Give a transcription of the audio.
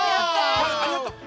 ありがとう。